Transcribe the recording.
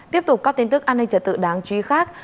tiếp tục các tin tức an ninh trật tự đáng truy khác